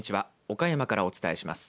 岡山からお伝えします。